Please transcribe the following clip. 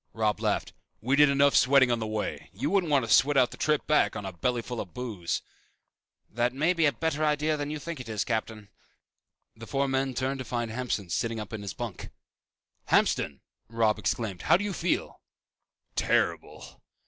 Robb laughed. "We did enough sweating on the way. You wouldn't want to sweat out the trip back on a belly full of booze." "That may be a better idea than you think it is, Captain." The four men turned to find Hamston sitting up on his bunk. "Hamston!" Robb exclaimed, "how do you feel?" "Terrible."